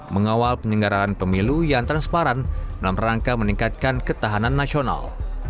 mengawal penyelenggaraan pemilu yang transparan dalam rangka meningkatkan ketahanan nasional